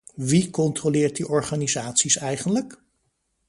Wie controleert die organisaties eigenlijk?